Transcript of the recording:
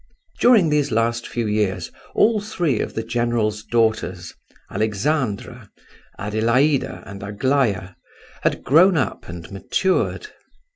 During these last few years all three of the general's daughters—Alexandra, Adelaida, and Aglaya—had grown up and matured.